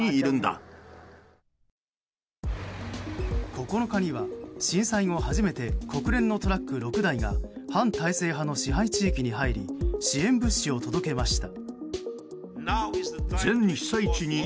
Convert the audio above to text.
９日には、震災後初めて国連のトラック６台が反体制派の支配地域に入り支援物資を届けました。